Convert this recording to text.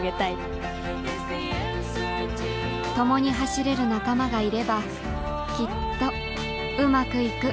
共に走れる仲間がいればきっとウマくいく